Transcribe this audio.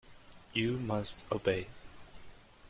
You must obey.